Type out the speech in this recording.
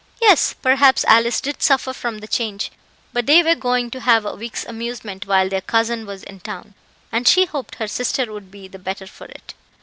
Yes, perhaps Alice did suffer from the change; but they were going to have a week's amusement while their cousin was in town, and she hoped her sister would be the better for it.